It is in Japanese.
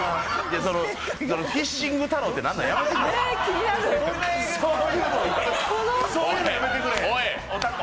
フィッシング太郎って何やねん。